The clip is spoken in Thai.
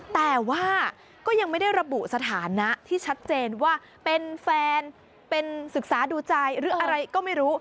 แต่ว่าก็ยังไม่ได้ระบุสถานะที่ชัดเจนว่าเป็นแฟนเป็นศึกษาดูใจหรืออะไรก็ไม่รู้